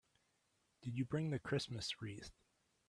Did you bring the Christmas wreath?